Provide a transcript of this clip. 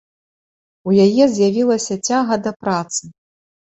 У яе з'явілася цяга да працы.